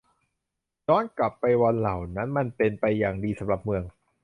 ย้อนกลับไปวันเหล่านั้น มันเป็นไปอย่างดีสำหรับเมือง